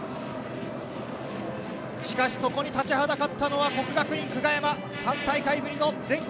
しかし、そこに立ちはだかったのは國學院久我山、３大会ぶりの全国。